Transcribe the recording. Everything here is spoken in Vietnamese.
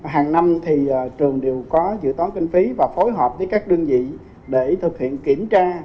hàng năm thì trường đều có dự toán kinh phí và phối hợp với các đơn vị để thực hiện kiểm tra